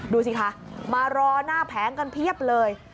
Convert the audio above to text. ดูสิคะมารอหน้าแผงกันเพียบเลย